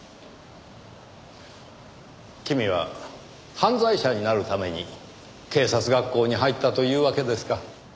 君は犯罪者になるために警察学校に入ったというわけですか。